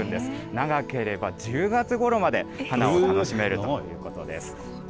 長ければ１０月ごろまで花を楽しめるということです。